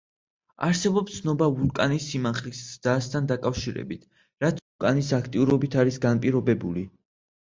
არსებობს ცნობა ვულკანის სიმაღლის ზრდასთან დაკავშირებით, რაც ვულკანის აქტიურობით არის განპირობებული.